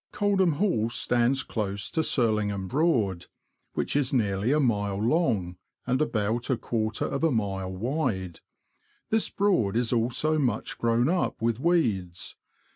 Coldham Hall stands close to SurUngham Broad, which is nearly a mile long, and about a quarter of a mile wide. This Broad is also much grown up with weeds.